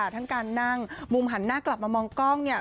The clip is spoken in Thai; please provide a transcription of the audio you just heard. ทั้งการนั่งมุมหันหน้ากลับมามองกล้องเนี่ย